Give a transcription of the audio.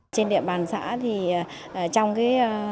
trên địa bàn xã thì trong cái